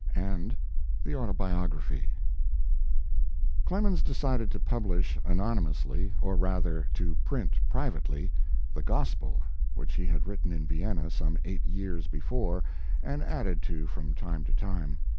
AND THE AUTOBIOGRAPHY Clemens decided to publish anonymously, or, rather, to print privately, the Gospel, which he had written in Vienna some eight years before and added to from time to time.